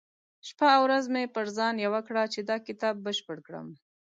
شپه او ورځ مې پر ځان يوه کړه چې دا کتاب بشپړ کړم.